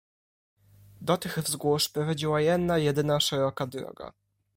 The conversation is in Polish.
"Do tych wzgórz prowadziła jedna jedyna szeroka droga."